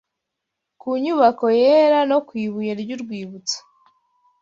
ku nyubako yera no ku ibuye ry’urwibutso